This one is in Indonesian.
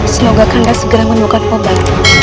semoga kanda segera membuka obat